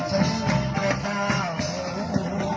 สวัสดีครับทุกคน